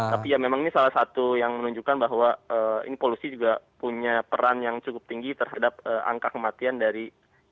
tapi ya memang ini salah satu yang menunjukkan bahwa ini polusi juga punya peran yang cukup tinggi terhadap angka kematian dari